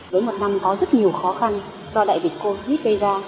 với một năm có rất nhiều khó khăn do đại vịt côn viết gây ra